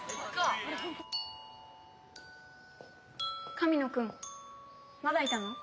神野くんまだいたの？